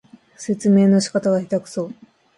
説明の仕方がへたくそ